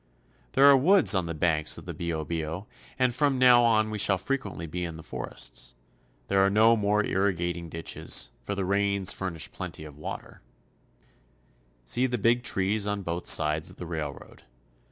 There are woods on the banks of the Biobio, and from now on we shall frequently be in the forests. There are no more irrigating ditches, for the rains furnish plenty of water. THE ARAUCANIANS. I 39 See the big trees on both sides of the railroad.